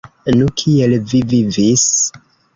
Nu, kiel vi vivis?